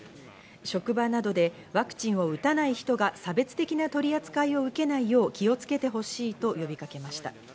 職場などでワクチンを打たない人が差別的な取り扱いを受けないよう気をつけてほしいと呼びかけました。